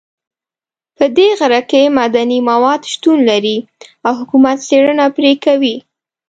په دې غره کې معدني مواد شتون لري او حکومت څېړنه پرې کوي